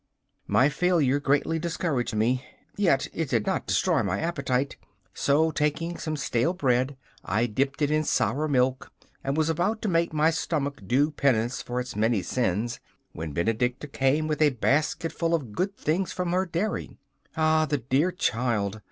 My failure greatly discouraged me, yet it did not destroy my appetite; so, taking some stale bread, I dipped it in sour milk and was about to make my stomach do penance for its many sins, when Benedicta came with a basketful of good things from her dairy. Ah, the dear child!